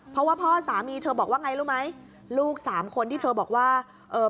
เพราะว่าพ่อสามีเธอบอกว่าไงรู้ไหมลูกสามคนที่เธอบอกว่าเอ่อ